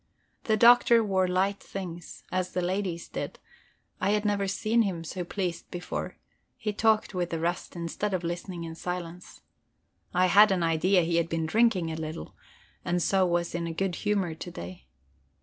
The Doctor wore light things, as the ladies did; I had never seen him so pleased before; he talked with the rest, instead of listening in silence. I had an idea he had been drinking a little, and so was in good humor to day.